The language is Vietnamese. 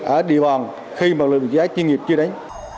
ở địa phòng khi mà lực lượng chữa cháy chuyên nghiệp chưa đến